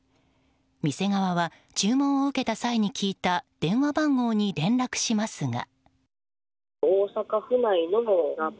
店側は注文を受けた際に聞いた電話番号に連絡しますが。